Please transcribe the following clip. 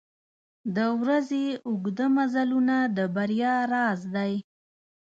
• د ورځې اوږده مزلونه د بریا راز دی.